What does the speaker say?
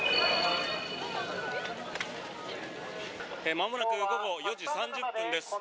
まもなく午後４時３０分です。